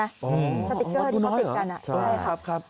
อ๋อวัดภูน้อยเหรอสติกเกอร์ที่เขาติดกันอ่ะใช่ครับครับ